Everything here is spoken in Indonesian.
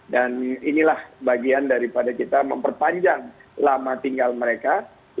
inilah bagian daripada kita memperpanjang lama tinggal mereka